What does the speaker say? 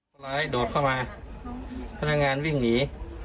คนร้ายโดดเข้ามาพนักงานวิ่งหนี